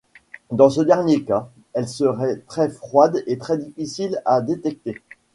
Dans ce dernier cas, elle serait très froide et très difficile à détecter.